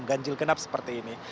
ganjil genap seperti ini